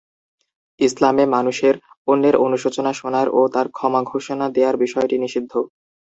ইসলামে মানুষের অন্যের অনুশোচনা শোনার ও তার ক্ষমা ঘোষণা দেয়ার বিষয়টি নিষিদ্ধ।